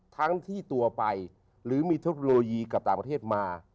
ทั้งที่ตัวไปหรือมีเทคโนโลยีกับต่างประเทศมา